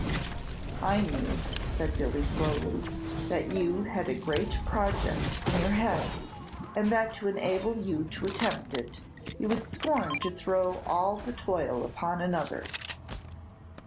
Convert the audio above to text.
"I knew," said Billy, slowly, "that you had a great project in your head, and that to enable you to attempt it, you would scorn to throw all the toil upon another."